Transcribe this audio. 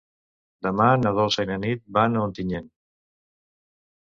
Demà na Dolça i na Nit van a Ontinyent.